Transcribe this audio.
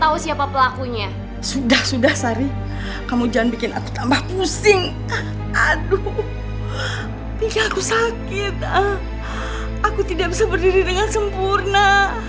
aku tidak bisa berdiri dengan sempurna